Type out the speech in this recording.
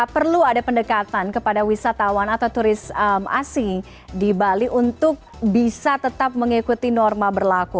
perlu ada pendekatan kepada wisatawan atau turis asing di bali untuk bisa tetap mengikuti norma berlaku